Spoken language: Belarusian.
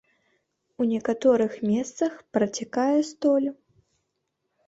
У некаторых месцах працякае столь.